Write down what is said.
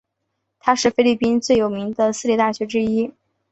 它是菲律宾最有名的私立大学之一。